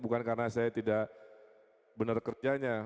bukan karena saya tidak benar kerjanya